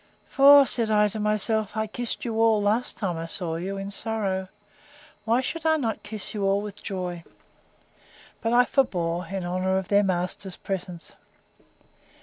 For, said I to myself, I kissed you all, last time I saw you, in sorrow; why should I not kiss you all with joy? But I forbore, in honour of their master's presence.